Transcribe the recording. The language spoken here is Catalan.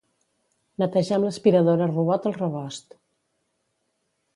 Netejar amb l'aspiradora robot el rebost.